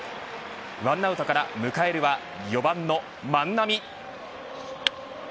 １アウトから迎えるは４番の万波。